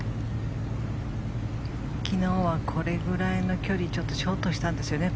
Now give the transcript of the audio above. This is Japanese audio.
昨日はこれくらいの距離ショートしたんですよね。